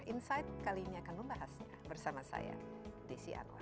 insight kali ini akan membahasnya bersama saya desi anwar